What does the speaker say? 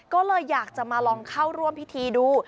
ก็เลยอยากจะมาลองเข้าร่วมพิธีดู